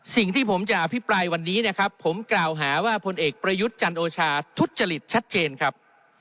สิ่งที่ผมจะอภิปรายวันนี้นะครับผมกล่าวหาว่าพลเอกประยุทธ์จันโอชาทุจริตชัดเจนครับ